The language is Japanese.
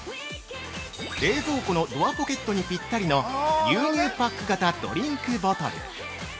◆冷蔵庫のドアポケットにぴったりの牛乳パック型ドリンクボトル。